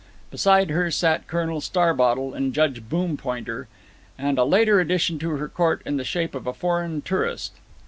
Beside her sat Colonel Starbottle and Judge Boompointer, and a later addition to her court in the shape of a foreign tourist.